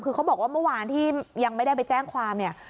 คือเขาบอกว่าเมื่อวานที่ยังไม่ได้ไปแจ้งความเนี่ย